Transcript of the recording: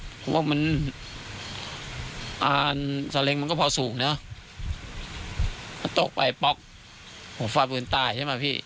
เพราะว่ามันอ่านซาเล็งมันก็พอสูงเนอะตกไปป๊อกว่าฟาดบุญตายใช่ไหมพี่